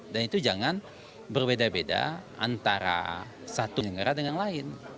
dan itu jangan berbeda beda antara satu negara dengan lain